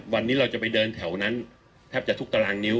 วันนี้เราจะไปเดินแถวนั้นแทบจะทุกตารางนิ้ว